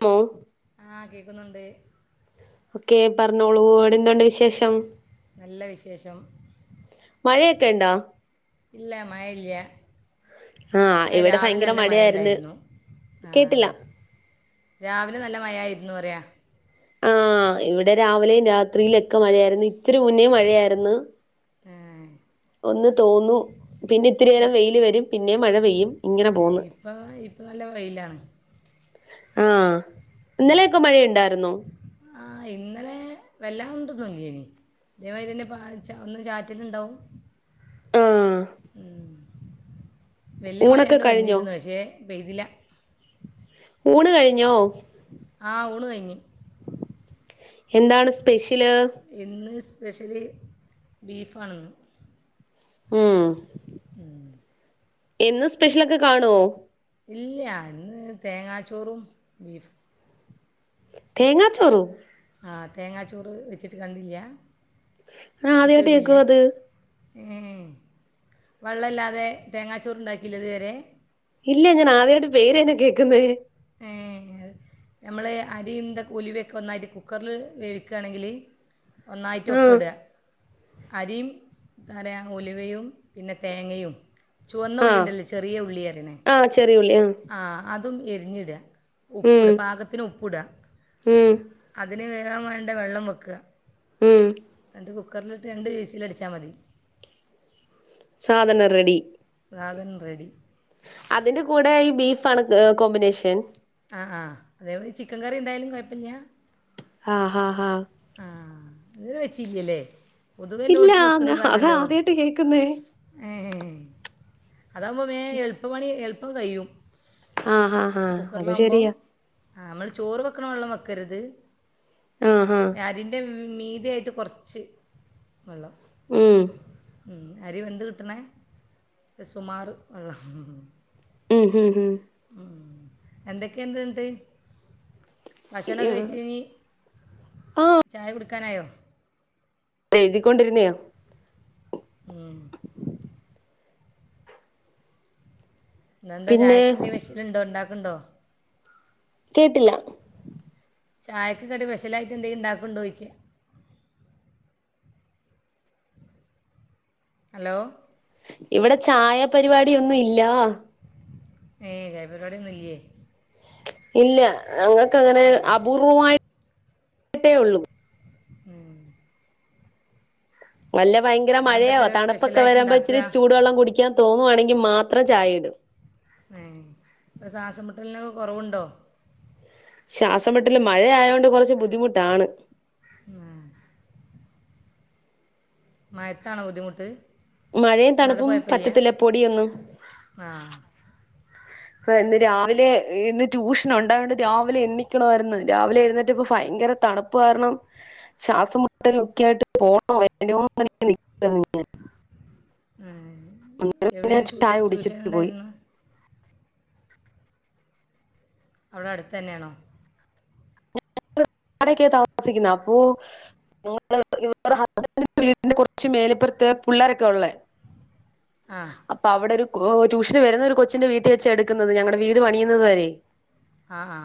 മോ ക്കുന്നുണ്ട് ഒക്കെ പറഞ്ഞോളൂ അവിടെ എന്തോണ്ട് വിശേഷം. നല്ല വിശേഷം മഴയൊക്കെ ഉണ്ടോ ഇല്ല മഴ ഇല്ല ആഹ് മഴ ഇവിടെ രാവിലെ ഭയങ്കര നല്ല മഴയായിരുന്നു മഴയുണ്ടായിരുന്നു ആ കേട്ടില്ല രാവിലെ നല്ല മയയായിരുന്നുപറയാ ആഹ് ഇവിടെ രാവിലെയും രാത്രിയിലൊക്കെ മഴയായിരുന്നു. ഇത്തിരി മുന്നേ മഴയായിരുന്നു. ആ ഒന്ന് തോന്നു പിന്നെ ഇത്തിരി നേരം വെയില് വരും പിന്നെയും മഴ പെയ്യും ഇങ്ങനെ ആ, പോന്ന് ഇപ്പം ഇപ്പം നല്ല വെയിലാണ് ആഹ് ഇന്നലെയൊക്കെ മഴയുണ്ടായിരുന്നോ ആ ഇന്നലെ വല്ലാ ന്നൂല്ലേനി അതേമാതിരിന്നെ പാറിച്ച ഒന്ന് ചാറ്റല് ഉണ്ടാവും ആഹ് ഉം വല്യ മഴ ഊണൊക്കെ അങ്ങട് കഴിഞ്ഞോ വന്നിരുന്നു പക്ഷെ പെയ്തില്ല. ഊണ് കഴിഞ്ഞോ? ആ ഊണ് കഴിഞ്ഞ് എന്താണ് സ്പെഷ്യ ഇന്ന് സ് സ്പെഷ്യല് ബീഫാണിന്ന് ഉം ഉം എന്നും സ്പെഷ്യലൊക്കെ കാണോ? ഇല്ല ഇന്ന് തേങ്ങാച്ചോറും ബീഫും തേങ്ങാ ചോറോ? ആ തേങ്ങാച്ചോറ് വെച്ചിട്ട് കണ്ടില്ലാ? ആ ആദ്യമായിട്ട് കേക്കുവാ അത് ഏ വെള്ളല്ലാതെ തേങ്ങാച്ചോറുണ്ടാക്കീല്ലൃ ഇതുവരെ ഇല്ല ഞാൻ ആദ്യായിട്ട് പേര് തന്നെ കേക്കുന്നേ. നമ്മള് അരിന്തെ ഉലുവൊക്കെ ഒന്നായിട്ട് കുക്കറില് വേവിക്കുകയാണെങ്കില് ഒന്നായിട്ട് ആഹ് ഒപ്പിടുക. അരിയും ന്താ പറയാ ഉലുവയും പിന്നെ തേങ്ങയും ചുവന്ന ആഹ് ഉള്ളിണ്ടല്ലേ ചെറിയ ഉള്ളിരനേ ആഹ് ചെറിയുള്ളി ആഹ് ആ അതും എരിഞ്ഞിടാ ഉപ്പിട് ഉം പാകത്തിന് ഉപ്പ്ടാ ഉം അതിന് വേ [inaudible] [inaudible] [inaudible] [unintelligible] [inaudible] [inaudible] [inaudible] [inaudible] [inaudible] [inaudible] ഇല്ല എല്ലായിടത്തും ഞാ അതാ വെക്കണതാണല്ലോ ആദ്യമായിട്ട് കേക്കുന്നേ അതാവുകുമ്പോ മേ എളുപ്പമണി എളുപ്പം കഴിയും ആ ഹാ ഹ അത് ശെരിയാ ആ നമ്മള് ചോറ് വെക്കണ വെള്ളം വെക്കരുത് ആഹ് ഹാ അതിന്റെ മീതിയായിട്ട് കൊറച്ച് വെള്ളം ഉം മ് അരി വെന്ത് കിട്ടണ സുമാർ വെള്ളം [unintelligible] മ് മ് മ് മ് എന്തൊക്കെയണ്ട് ഇണ്ട് ഭക്ഷണം ഇ- കഴിച്ചീന് ചായ കുടി കെഞായോ എഴുതിക്കൊണ്ടിരുന്നെയാ മ്മ് ഇന്നെന്താ പിന്നെ ചായക്കെതേലും സ്പെഷ്യൽ ഇണ്ടോ ഇണ്ടാ ഉണ്ടോ കേട്ടില്ല ചായക്ക് കടി സ്‌പെഷലായിട്ട് എന്തെങ്കിലും ഉണ്ടാക്ണ്ടോന്ന് ചോദിച്ച ഹലോ ഇവിടെ ചായപരിപാടിയോന്നും ഇല്ല ഏ ചായപരിപാടി ഒന്നും ഇല്ലേ ഇല്ല ഇങ്ങ നിങ്ങകെങ്ങനെ അപൂർവമായിട്ട് ഇട്ടേ ഉള്ളൂ ഉം വല്ല ഭയങ്കര നിങ്ങളെന്തൊക്കെ മഴയാവോ തണുപ്പൊക്കെ സ്പെഷ്യലായിട്ട് വരുമ്പോ ഉണ്ടാക്കുക ഇച്ചിരി ചൂടുവെള്ളം കുടിക്കാൻ തോന്നുവാണെങ്കിൽ മാത്രം ചായ ഇടും [unintelligible] സാസമിട്ടലിനൊക്കെ കുറവുണ്ടോ ശ്വാസംമെട്ടില് മഴയതോണ്ട് കുറച്ച് ബുദ്ധിമുട്ടാണ് ഉം മഴത്തണോ ബുദ്ധിമുട്ട് മഴയും അല്ലാതെ തണുപ്പും കുഴപ്പമില്ല പറ്റത്തില്ല പൊടിയൊന്നും ആ ഇന്ന് രാവിലെ ഇന്ന് ട്യൂഷന് ണ്ടായത് കൊണ്ട് രാവിലെ എണ്ണിക്കണമായിരുന്നു രാവിലെ എഴുന്നിട്ട് ഇപ്പ ഭയങ്കര തണുപ്പ് കാരണം ശ്വാസം മുട്ടല ഒക്കെ ആയിട്ട് പോണോ വേണ്ടയോ എന്ന് പറഞ്ഞ് നിക്കുവാണ് ഇങ്ങനെ അങ്ങനെ പിന്നെ ഇവിടെയും ചായ ട്യൂഷൻ കുടിച്ചിട്ട് പോയി ഉണ്ടായിരുന്നു അവിടെ അടുത്ത തന്നെയാണോ [unintelligible] താമസിക്കുന്ന അപ്പൊവടെ ഹസ്ബൻഡന്റെ വീടിന്റെ കുറച്ച് മേലപ്പുറത്ത് പിള്ളരൊക്കെ ഉള്ളേ ആ അപ്പൊ അവിടെ ഒരു ഓ ട്യൂഷന് വരുന്ന ഒരു കൊച്ചിന്റെ വീട്ടിൽ വെച്ച എടുക്കുന്നത് ഞങ്ങടെ വീട് പണിയുന്നത് വരെ ആ ആ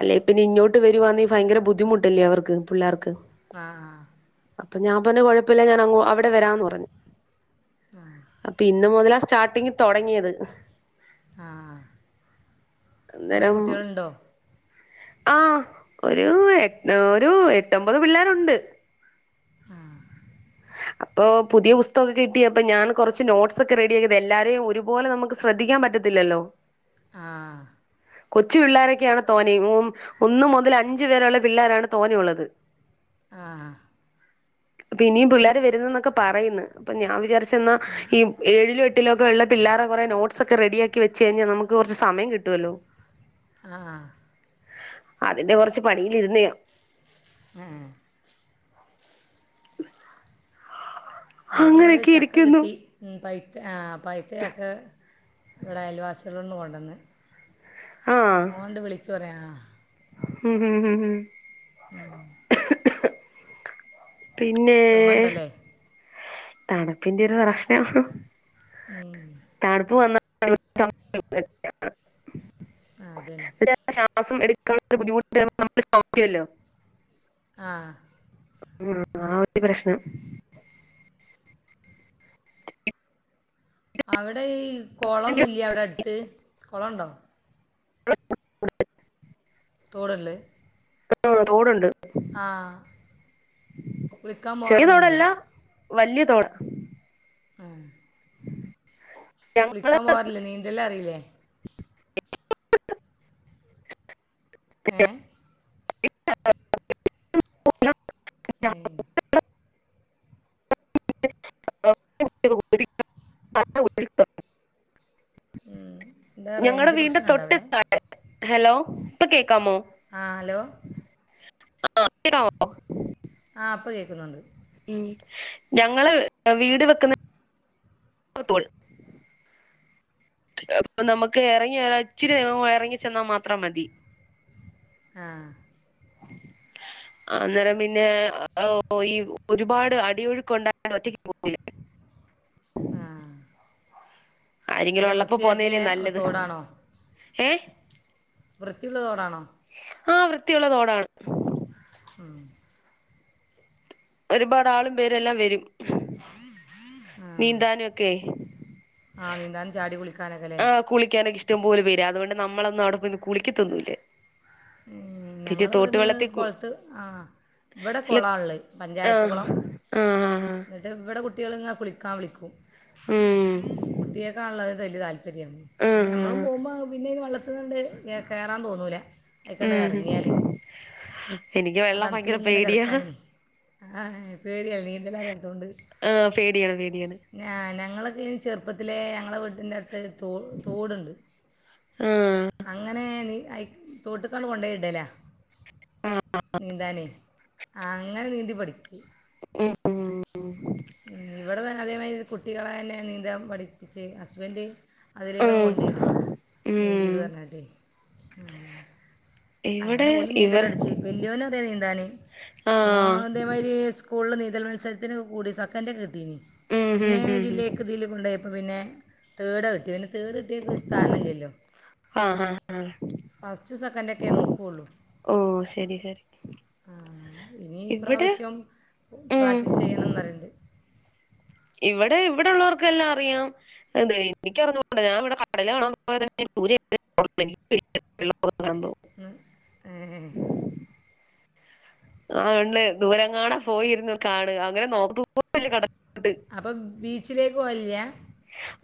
അല്ലെ പിന്നെ ഇങ്ങോട്ട് വരുവാന്ന് ഭയങ്കര ബുദ്ധിമുട്ടല്ലേ അവർക്ക് പിള്ളേർക്ക് ആ ആ അപ്പൊ ഞാൻ പറഞ്ഞ കുഴപ്പില്ല ഞാൻ അവിടെ വരാന്ന് പറഞ്ഞു അപ്പൊ ഇന്ന് മുതല സ്റ്റാർട്ടിങ് തുടങ്ങിയത് ആ കുറേ കുട്ടികളുണ്ടോ ആ ഒരു എട്ട ഒരു എട്ടോമ്പത് പിള്ളേരുണ്ട് ആ അപ്പൊ പുതിയ പുസ്തകമൊക്കെ കിട്ടിയപ്പൊ ഞാൻ കുറച്ച് നോട്ട്സ് ഒക്കെ റെഡി ആക്കിയത് എല്ലാരെയും ഒരുപോലെ നമുക്ക് ശ്രദ്ധിക്കാൻ പറ്റത്തില്ലല്ലോ ആ കൊച്ച് പിള്ളാരൊക്കെയാണ് തോനെ ഉം ഒന്നു മുതൽ അഞ്ചു പേരള്ള പിള്ളാരാണ് തോനെയള്ളത് ആ ഹാ പ്പൊനിയും പിള്ളാര് വരുന്നൂന്നൊക്കെ പറയുന്നു അപ്പൊ ഞാൻ വിചാരി ച്ച്ന്നാ ഈ ഏഴിലും എ ട്ടിലൊക്കെയുള്ള പിള്ളാരെ കൊറേ നോട്ട്സൊക്കെ റെഡിയാക്കി വെച്ച് കയ്ഞ്ഞാ നമുക്ക് കൊറച്ച് സമയം കിട്ടോലോ ആ അതിന്റെ കൊറച്ച് പണി ഇരുന്നിയോ ന്ന് പ്പൊ വടൊരു അങ്ങനെയൊക്കെ ചക്ക ഇരിക്കുന്നു കിട്ടി ഉം പൈ യാ പയ്ത്ത ചക്ക ഇവിടെ അയൽവാസ് [unintelligible] കൊണ്ടന്ന് ആഹ് മോണ്ട് വിളിച്ചു ന്ത്വ റയാ [inaudible] ആ [unintelligible] പിന്നെ ചുമയുണ്ടല്ലേ തണുപ്പിന്റെ ഒരു പ്രശ്നാ ഉം. തണ്പ്പ് വന്നാ [unintelligible] ആ അതന്നെ ശ്വാസം എടു [unintelligible] ആഹ് ആ ആ ഒരു പ്രശ്നം അവട് [unintelligible] ഈ കൊളൊന്നുല്ലാ അവിടെ അടുത്ത്? കൊളണ്ടോ? തോടാള്ളേ? ആ തോട്ണ്ട്. ആ വിളിക്കാൻ പോവാറൊന്നില്ല വല്ല്യ തോടാ ആ ഞങ്ങള് കുളിക്കാൻ പോവാറില്ലേ നീന്തൽ അറിയില്ലേ? യേ അ [inaudible] ിക്ക [unintelligible] എന്താ ഞങ്ങള് റേഞ്ച് വീടിന്റെ പ്രശ്നമുണ്ടോ അവിടെ തൊട്ട്തായേ ഹലോ ഇപ്പൊ കേക്ക... ആ ഹലോ ആ കോക്കാവോ ആ ഇപ്പ കേക്കുന്നുണ്ട് ഉം ഞങ്ങള് വീട് വെക്കുന്ന തോൾ അ നമുക്ക് ഇറങ്ങി ഒ ഇച്ചിരി ഇറങ്ങി ചെന്നാൽ മാത്രം മതി ആ അന്നേരം പിന്നെ ആ ഈ ഒരുപാട് അടിയൊഴുക്ക് ഉണ്ടായ ഒറ്റക്ക് പോകില്ലേ ആ ആരെങ്കിലും ഉള്ള വൃത്യാക്കിയ തോടാണോ ഏ വൃത്തിയുള്ളതോടാണോ ആ വൃത്തിയുള്ളതോടാണ് ഒരുപാട് ആളും പേരെല്ലാം വരും നീന്താനുക്കെ ആ നീന്താനും ചാടി കുളിക്കാനൊക്കെലെ പോപര അതുകൊണ്ട് നമ്മളൊന്നും അവിടെന്ന് കുളിക്കത്തൊന്നൂേലെ ഞങ്ങള ഇവിടുന്ന് കുളത്ത് ആ ഇവിടെ അല്ല കുളമ ഉള്ള ആ പഞ്ചായത്ത് കുുളം ആ ആ, ആ. എന്നിട്ട് ഇവിടെ കുട്ട കുട്ടിലങ്ങ കുളിക്കാ വിളിക്കും ഉം കുട്ടിയൊക്ക ഉള്ളത് തല്ല് താൽ.... ശരിയ ആ പിന്നെ നമ്മളും ആ. പോകുമ്പോൾ പിന്നെ ഇത് വെള്ളത്തിന്ന്ണ്ട് കയറാൻ തോന്നൂല ഉം എനിക്ക് വെള്ളം ഭയങ്കര പേടിയാ ആഹ് പേടിയാ നീന്തല്റിയ... അതുകൊണ്ട് ആ പേടിയാണ് പേടിയാണ് ഞ ഞങ്ങള് ഈ ചെറുപ്പത്തിലെ ഞങ്ങളെ വീട്ടിന്റെ അടു തെ തോട് തോട് ഉണ്ട് അങ്ങനെ നി അയ്ക്ക തോട്ടുകാൽ കൊണ്ടയിടല ആ നീന്തന് അങ്ങനെ നീന്തി പഠിച്ചു ഉം ഉം ഉം ഇവിടെ തന്നെ അതേമാതിരി കുട്ടികളെന്നെ നീന്താൻ പഠിപ്പിച്ച് ഹസ്ബൻഡ് അതിലേക്ക് അങ്ങ് ഉം കൊണ്ടയിടും ഉം നീന്തീടു പറഞ്ഞട്ടെ ആ അങ്ങനെ ഇവിടെ ഓലും ഇവർ നീന്തലടിച്ച് വല്യൊരു വരെ നീന്ത നീന്താന് ആ അതേമാരി സ് സ്കൂളിൽ നീന്തൽ മത്സരത്തിന് കൂടി സെക്കന്റ്‌ കിട്ടീനി ഉം ഹും പിന്നെ ഹും ഹും ജില്ലേക്കതില് കൊണ്ട പിന്നെ തേഡാ കിട്ടിയേ പിന്നെ തേർഡ് കിട്ടിയോർക്ക് സ്ഥാനഇല്ലല്ലോ ആ ആ ഫസ്റ്റും സെക്കന്റൊക്കെ റ്റേ നോക്കൊള്ളൂ ഓ ശരി ശരി ആ ഇവിടെ ഇന്നിപ്രാവശ്യം ഉം പ്രാക്ടീസ് ചെയ്യണം ന്ന് പറയ്ണ്ട് ഇവിടെ ഇവിടെ ഉള്ളവർക്കെല്ലാം അറിയാം എന്തുവ എനിക്കറിഞ്ഞുകൂടാ ഞാൻ ഇവിടെ കടല് കാണൻ പോയത് ദൂരെ [inaudible] [unintelligible] ആ ഉണ്ട് ദൂരെങ്ങാണം പോയി ഇരുന്ന് കാണുക അങ്ങനെ നോക്കൂ പോലുയില്ല കടൽ അപ്പം വി ച്ചിലേക്ക് പോവലില്ല്യ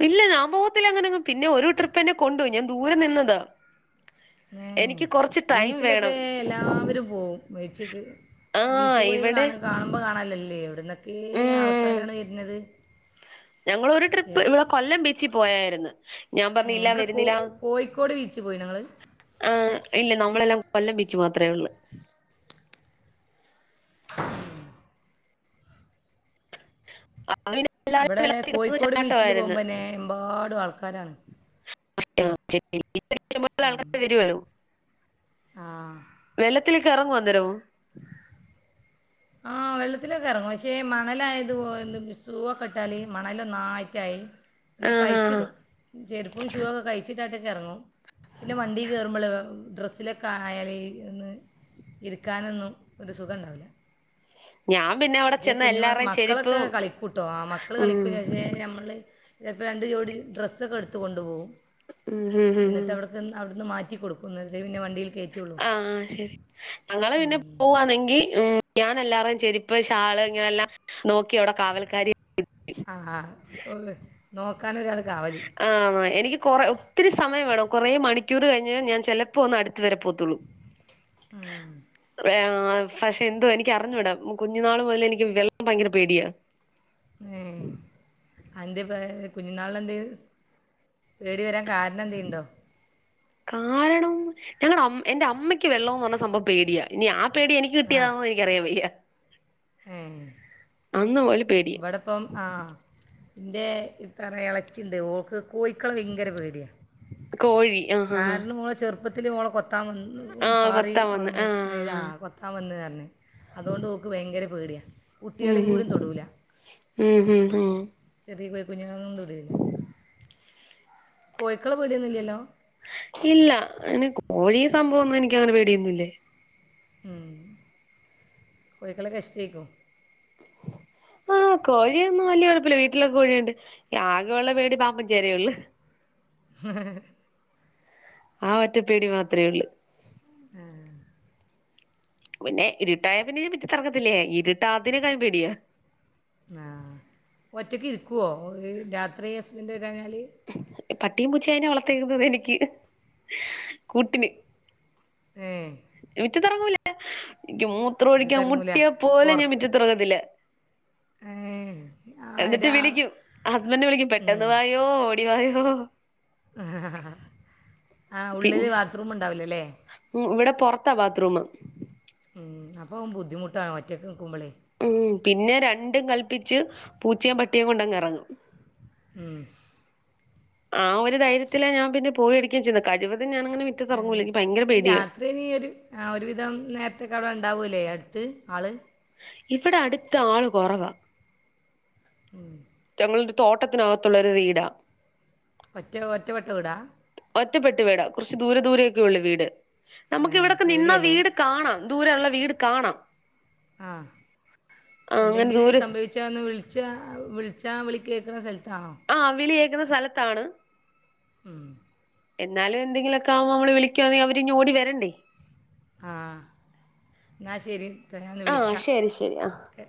ഇല്ല ഞാൻ പോവത്തില്ല അങ്ങനെങ്ങും പിന്നെ ഒരു ട്രിപ്പ് എന്നെ കൊണ്ടുപോയി ഞാൻ ദൂരെ നിന്നത് ഏഹ് ബീച്ചിലൊക്കെ വേണം എല്ലാവരും പോവും ബീച്ച്ക്ക് ആഹ് ബീച്ച് പോയി ഇവിടെ കാണും കാണുമ്പോ കാണാലല്ലേ എവിടുന്നൊക്കെ ആൾക്കാരാണ് വരുന്നത്. ഞങ്ങൾ ഒരു ട്രിപ്പ് എപ്- ഇവിടെ കൊല്ലം ബീ ച്ചി പോയായിരുന്നു. ഞാൻ ഏ, പറഞ്ഞ് ഇല്ല ഇവിടെ കോ വരുന്നില്ല കോഴിക്കോട് ബീച്ച് പോയി ഞങ്ങൾ ആ ഇല്ല നമ്മളെല്ലാം കൊല്ലം ബീച്ച് മാത്രമേ ഉള്ളൂ എല്ലാവരും ഇവിടെ വെള്ളത്തിൽ കിടന്ന് കോയിക്കോട് ബീച്ചില് ചാട്ടമായിരുന്നു പോകുമ്പോ എന്നെ എമ്പാടും ആൾക്കാരാണ് [unintelligible] ഇത്തരത്തിലുള്ള മൊത്തംആൾക്കാരും വരുവല്ലോ ആ വെള്ളത്തിലെക്കെ ഇറങ്ങുമോ അന്നേരം? ആഹ്, വെള്ളത്തിലൊക്കെറങ്ങും. പക്ഷേ മണലായത് പോലും സൂവൊക്കെ ഇട്ടാല് മണലൊന്നായിട്ടായി. പിന്നെ ആഹ് ആഹ് കഴിച്ചിടും. ചെരുപ്പും ഷൂ ഒക്കെ കഴിച്ചി യിങ്ങോട്ടേക്കറങ്ങും. പിന്നെ വണ്ടി കേറുമ്പള് ഡ്രസ്സിലൊക്കെയായല് ന്ന് ഇരിക്കാനൊന്നും ഒരു സുഖണ്ടാവില്ല. ഞാൻ പിന്നെ അവിടെ പക്ഷെ, ചെന്ന കുഞ്ഞുമ എല്ലാവരുടെയും മക്കളൊക്കെ ചെരുപ്പും കളിക്കൂട്ടോ. ആ മക്കള് ഉം കളിക്കും പക്ഷെ ഞമ്മള്. പ്പ രണ്ട് ജോടി ഡ്രസ്സൊക്കെ എടുത്ത് കൊണ്ട് പോവും. ഉം ഹും ഹും എന്നിട്ട് ഹും അവ്ടക്ക് അവടുന്ന് മാറ്റി കൊടുക്കുന്നതില് പിന്നെ വണ്ടീല് ആഹ് ശെരി, ഞങ്ങള് പിന്നെ പോവാന്നെങ്കി ഉം ഞാൻ എല്ലാറെയും ചെരുപ്പ്, ഷാള് ഇങ്ങനെല്ലാ നോക്കി അവടെ കാവൽക്കാരി ആഹ് ഓ ന്നോ ആഹ്, എനിക്ക് കൊറെ ഒ ഒത്തിരി സമയ വേണം കൊറെ മണിക്കൂറ് കഴിഞ്ഞ് ഞാൻ ചെലപ്പോൾ ഒന്ന് അടു ത്തവരെ പോത്തുള്ളൂ. വെ ആ പക്ഷെ എന്തോ എനിക്കറിഞ്ഞുടാ. കുഞ്ഞുന്നാള് മൊതലെ നിക്ക് വെള്ളം ഭയങ്കര പേടിയാ. ഏ എന്ത്യേ പ കുഞ്ഞുന്നാള് എന്തേ പേടി വരാൻ കാരണമെന്തെല്ലുണ്ടോ? കാരണം, ഞങ്ങടെ അമ് എന്റെ അമ്മയ്ക്ക് വെള്ളോന്ന് പറയണ സംഭവം പേടിയാ. ഇനി ആ പേ പേടി എനിക്ക് ആ കിട്ടിയാന്നേനിക്കറിയാവയ്യ. ഏ അന്ന് മുതൽ പേടിയാ ഇവിടെപ്പം ആ ന്റെ ഇത്രാ ഇളച്ചിണ്ട് ഓക്ക് കോഴിക്കള് ഭയങ്കര പേടിയാ. കോഴി ആഹ് ആഹ് ആഹ് പ്പത്തില് ഓളെ കൊ കൊത്താ വന്ന് പാറി കൊത്താൻ ഓളെ വന്ന് മേ ആഹ് മേലാ കൊത്താൻ വന്നർ - ന് അതോണ്ട് ഓക്ക് ഭയങ്കര പേട്യ ഉം ഉം ഉം ഉം ഉം ചെറ്യകോയ്കുഞ് ങ്ങും തൊടേലാ. കോഴിക്കള് പേടിയൊന്നില്ലല്ലോ ഇല്ല എനിക്ക് കോഴി സംഭവൊന്നെനിക്കങ്ങനെ പേടിയൊന്നുല്ല ഉം കോഴ്കളെക്കെഷ്ട്ടേക്കും. ആഹ് കോഴിയൊന്നും വല്യ കൊഴപ്പല്ല വീട്ടിലൊകെ കോഴിയ്ണ്ട് ആകെയൊള്ള പേടി പാമ്പും ചേരയൊളളൂ ആ ഒറ്റപ്പേടി മാത്രേയൊള്ളൂ. ആ പിന്നെ ഇരുട്ടായ പിന്നെ പിച്ചിക്കറക്കത്തില്ലേ ഇരുട്ടാതിനെകാള് പേടിയ ആഹ ഒറ്റക്ക് ഇരിക്കുവോ രാത്രി ഹസ്ബൻഡ ണ്ടയാല് പട്ടീം പുച്ചേന വളർത്തേര്ന്നുതെനിക്ക് കൂട്ടിന് ഏഹ് മിറ്റത്തിറങ്ങൂല എനിക്ക് ഇജ്ജ് മൂത്രൊഴിക്കാൻ തിരങ്ങൂല മുട്ടിയാൽ പോലും ഞാൻ പുറത്ത് മിറ്റത്തിറങ്ങത്തില്ല. ഏ എന്നിട്ട് ആരാ വിളിക്കും ഹസ്ബൻ്റ് വിളിക്കും പെട്ടെന്ന് വായോ ഓടി വായോ ഏഹ്ഹ് ഉള്ളില് പിന്നെ ബാത്റൂം ഉണ്ടാവില്ലല്ലേ ഇവിടെ പൊറത്താ ബാത്റൂമ് മം അപ്പം ബുദ്ധിമുട്ടാണ് ഒറ്റക്ക് നിൽക്കുമ്പോളേ ഉം പിന്നെ രണ്ടും കൽപ്പിച്ച് പൂച്ചയും പട്ടിയും കൊണ്ടങ് എറങ്ങും ങ്ഹും ആ ഒരു ധൈര്യത്തിലാ ഞാൻ പിന്നെ പോയിടിക്കാൻ ച കഴിവ [inaudible] ആ രാത്രി നീ ഒരു ആ ഒരു ഒരുവിധം നേരത്തെ കെട ഉണ്ടാവൂലേ അടുത്ത് ആള് ഇവിടെ അടുത്ത് ആള് കൊറവാ ഉം ഞങ്ങളുടൊരു തോട്ടത്തിനകത്തുള്ള ഒരു വീടാ ഒറ്റ ഒറ്റവെട്ട വീടാ ഒറ്റപ്പെട്ട് വീടാ കുറച്ച് ദൂരെ ദൂരെയൊക്കെ ഉള്ളൂ വീട് ഏ നമുക്ക് ഇവിടൊക്കെ നിന്നാ പേടിയല്ലേ വീട് കാണാം ദൂര ഉള്ള വീട് കാണാം ആ ആ അങ്ങനെ എന്തെങ്കിലും ദൂരെ സംഭവിച്ചാൽ ഒന്ന് വിളിച്ചാ വിള- ച്ചാ വിളി കേൾക്കണ സ്ഥല- ആ വിളി കേൾക്കുന്ന സ്ഥ- സ്ഥലത്താണ് ഉം എന്നാലും എന്തെങ്കിലുമൊക്കെ ആവുമ്പോ നമ്മള് വിളിക്കാണെങ്കിൽ അവര് ഓടി വരണ്ടേ ആ എന്നാ ശരി ട്ടോ, ഞാൻ ഒന്ന് ആ വിളിക്കാം ശരി ശരി ആ ഓക്കെ